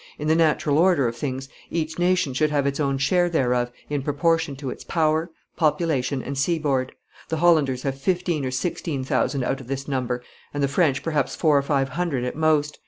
In the natural order of things, each nation should have its own share thereof in proportion to its power, population, and seaboard. The Hollanders have fifteen or sixteen thousand out of this number, and the French perhaps four or five hundred at most.